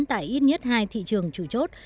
tại ít nhất hai thị trường chủ chốt